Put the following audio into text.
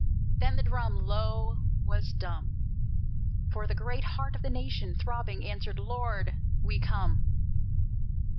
Then the drum, Lo! was dumb; For the great heart of the nation, throbbing, answered: "Lord, we come!"